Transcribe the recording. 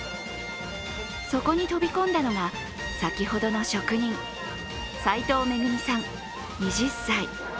そこに飛び込んだのが先ほどの職人、齋藤恵さん、２０歳。